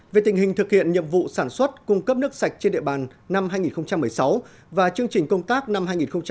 về tình hình thực hiện nhiệm vụ sản xuất cung cấp nước sạch trên địa bàn năm hai nghìn một mươi sáu và chương trình công tác năm hai nghìn một mươi chín